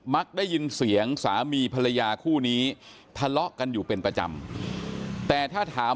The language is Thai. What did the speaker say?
มลั๊กได้ยินเสียงสามีภรรยาคู่นี้ทะเลาะกันอยู่เป็นประจำ